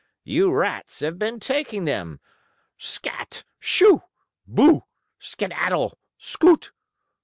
You rats have been taking them. Scatt! Shoo! Boo! Skedaddle! Scoot!"